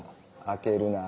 「開けるな」